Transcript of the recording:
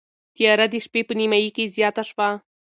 تیاره د شپې په نیمايي کې زیاته شوه.